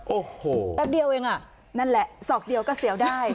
โอ้โหแป๊บเดียวเองอ่ะนั่นแหละศอกเดียวก็เสียวได้